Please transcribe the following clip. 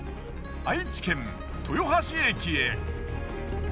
愛知県豊橋駅へ。